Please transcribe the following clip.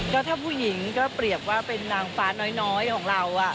ก็ถ้าผู้หญิงก็เปรียบว่าเป็นนางฟ้าน้อยของเรา